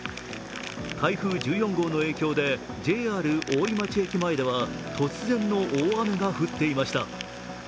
台風１４号の影響でＪＲ大井町駅前では突然の大雨が降っていました。